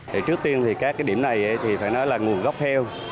thì trước tiên thì các cái điểm này thì phải nói là nguồn gốc theo